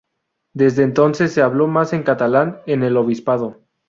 Desde entonces se habló más en catalán en el obispado.